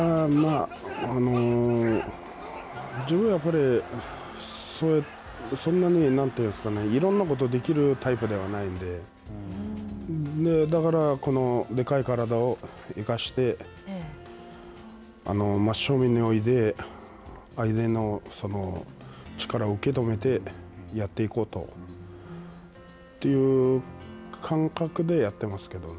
自分はやっぱりそんなにいろんなことができるタイプではないのでだから、このでかい体を生かして真っ正面で相手の力を受け止めてやっていこうという感覚でやっていますけどね。